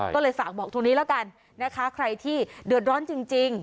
ก็เลยฝากบอกตรงนี้แล้วกันนะคะใครที่เดือดร้อนจริง